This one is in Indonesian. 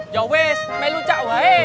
ya ues melu cak woy